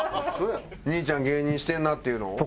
兄ちゃん芸人してんなっていうのを？